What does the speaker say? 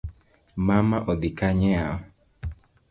Mama odhi Kanye yawa?